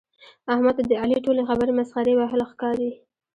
احمد ته د علي ټولې خبرې مسخرې وهل ښکاري.